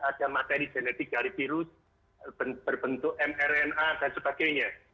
ada materi genetik dari virus berbentuk mrna dan sebagainya